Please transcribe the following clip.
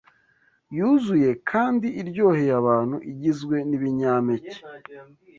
yuzuye kandi iryoheye abantu igizwe n’ibinyampeke